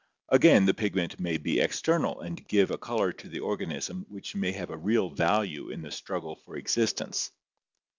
Again, the pigment may be external and give a color to the organism which may have a real value in the struggle for existence.